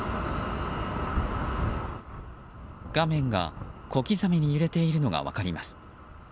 画面が小刻みに揺れているのが分かります。